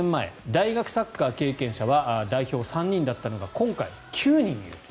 大学サッカー経験者は代表３人だったのが今回、９人いる。